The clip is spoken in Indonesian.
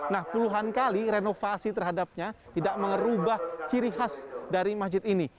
nah puluhan kali renovasi terhadapnya tidak merubah ciri khas dari masjid ini